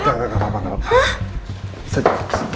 tidak tidak apa apa